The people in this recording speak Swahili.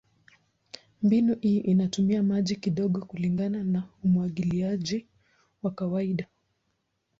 Mbinu hii inatumia maji kidogo kulingana na umwagiliaji wa kawaida.